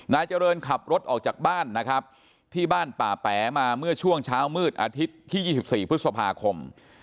นายเจริญขับรถออกจากบ้านนะครับที่บ้านป่าแป๋มาเมื่อช่วงเช้ามืดอาทิตย์ที่๒๔พฤษภาคม